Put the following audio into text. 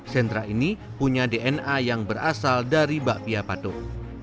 sentra ini punya dna yang berasal dari bakpia patuh